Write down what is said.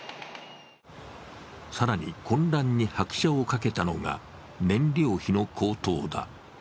更に混乱に拍車をかけたのが燃料費の高騰だ。